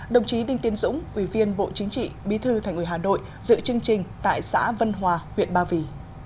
đồng chí đinh tiên dũng ủy viên bộ chính trị bí thư thành ủy hà nội dự chương trình tại xã vân hòa huyện ba vì